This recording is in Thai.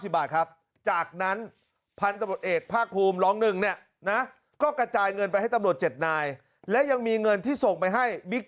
๓๖๕๙๘๙๐บาทครับจากนั้นพันธุ์ตำรวจเอกภาคภูมิร้องหนึ่งเนี่ยนะ